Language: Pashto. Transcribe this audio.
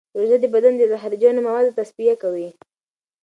روژه د بدن د زهرجنو موادو تصفیه کوي.